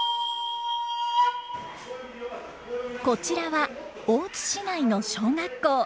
こちらは大津市内の小学校。